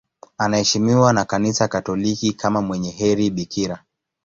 Anaheshimiwa na Kanisa Katoliki kama mwenye heri bikira.